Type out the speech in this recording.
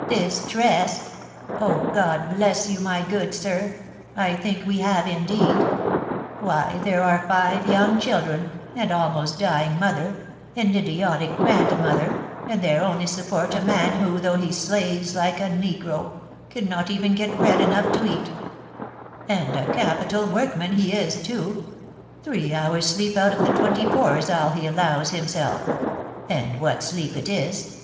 "Distressed! Oh, God bless you, my good sir, I think we have, indeed. Why, there are five young children, an almost dying mother, an idiotic grandmother, and their only support a man who, though he slaves like a negro, cannot even get bread enough to eat, and a capital workman he is, too; three hours' sleep out of the twenty four is all he allows himself, and what sleep it is!